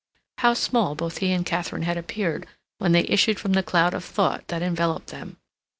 How small both he and Katharine had appeared when they issued from the cloud of thought that enveloped them!